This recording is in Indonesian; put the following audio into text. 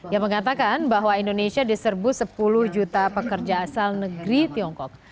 yang mengatakan bahwa indonesia diserbu sepuluh juta pekerja asal negeri tiongkok